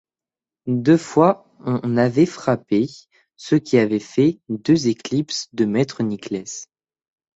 Deux fois on avait frappé, ce qui avait fait deux éclipses de maître Nicless.